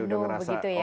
cendung begitu ya